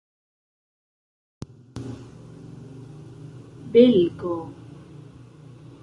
belgo